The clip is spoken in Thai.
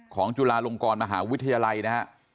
จุฬาลงกรมหาวิทยาลัยนะฮะ